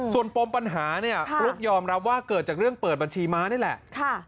ส่วนปมปัญหาเนี่ยฟลุ๊กยอมรับว่าเกิดจากเรื่องเปิดบัญชีม้านี่แหละ